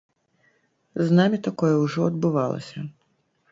З намі такое ўжо адбывалася.